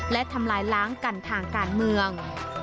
และทำลายล้างกันทางการเมือง